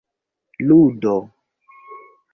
ludo